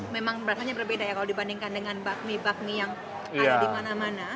memang rasanya berbeda ya kalau dibandingkan dengan bakmi bakmi yang ada di mana mana